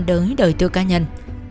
đối với đối tượng cá nhân